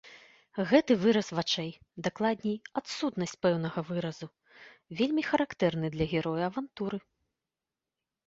Гэты выраз вачэй, дакладней, адсутнасць пэўнага выразу, вельмі характэрны для героя авантуры.